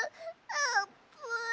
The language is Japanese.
あーぷん！